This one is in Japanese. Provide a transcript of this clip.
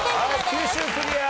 はい九州クリア。